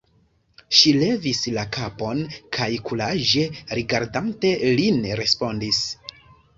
Ŝi levis la kapon kaj kuraĝe rigardante lin, respondis: